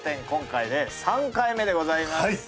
今回で３回目でございます。